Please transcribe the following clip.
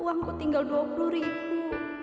uangku tinggal dua puluh ribu